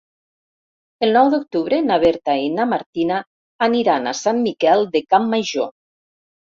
El nou d'octubre na Berta i na Martina aniran a Sant Miquel de Campmajor.